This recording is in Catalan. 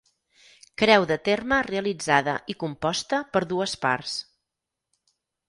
Creu de terme realitzada i composta per dues parts.